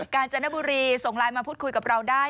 การจนบุรีส่งไลน์มาพูดคุยกับเราได้